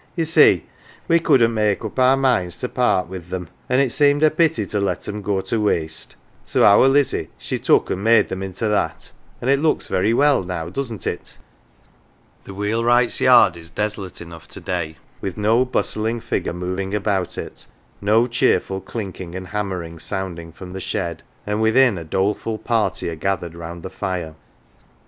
Ye see we couldn't make up our minds to part with them, an' it seemed a pity to let 'em 212 HERE AND THERE go to waste, so our Lizzie she took and made them into that, and it looks very well now, doesn't it ?" The wheelwright's yard is desolate enough to day, with no bustling figure moving about it, no cheerful clinking and hammering sounding from the shed ; and within, a doleful party are gathered round the fire.